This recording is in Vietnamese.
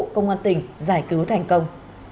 công an tỉnh giải cứu thành công